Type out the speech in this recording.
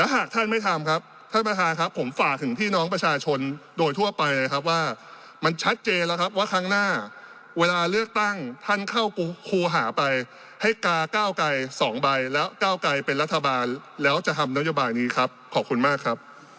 หากท่านไม่ทำครับท่านประธาผมฝากถึงพี่น้องปัชชนโดยทั่วไปเลยครับว่ามันชัดเจนแล้วครับว่าครั้งหน้า